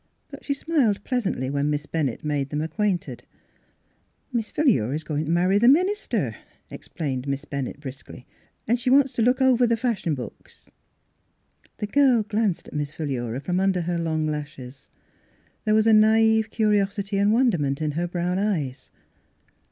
But she smiled pleasantly when Miss Bennett made them acquainted. " Miss Philura's goin' t' marry the min ister," explained Miss Bennett briskly. " An' she wants t' look over the fashion books." The girl glanced at Miss Philura from under her long lashes. There was a naive curiosity and wonderment in her brown eyes.